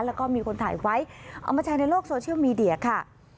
แล้วก็มีคนถ่ายไว้เอามาแชร์ในโลกโซเชียลมีเดียค่ะ